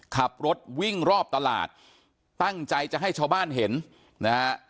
ขับรถวิ่งรอบตลาดตั้งใจจะให้ชาวบ้านเห็นนะฮะ